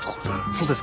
そうですか。